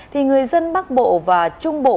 thì người dân bắc bộ và trung bộ